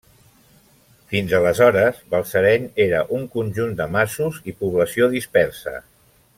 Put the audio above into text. Fins aleshores, Balsareny era un conjunt de masos i població dispersa.